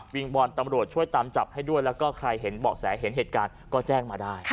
งบอนตำรวจช่วยตามจับให้ด้วยแล้วก็ใครเห็นเบาะแสเห็นเหตุการณ์ก็แจ้งมาได้